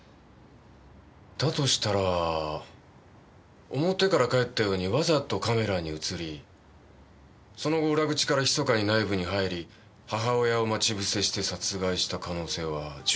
だとしたら表から帰ったようにわざとカメラに映りその後裏口から密かに内部に入り母親を待ち伏せして殺害した可能性は十分に。